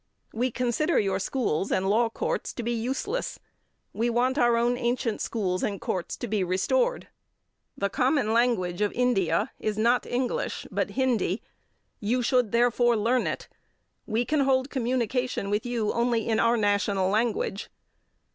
We consider your schools and law courts to be useless. We want our own ancient schools and courts to be restored. The common language of India is not English but Hindi. You should, therefore, learn it. We can hold communication with you only in our national language.